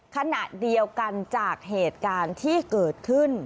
ขณะเดียวกันจากเหตุการณ์ที่เกิดขึ้น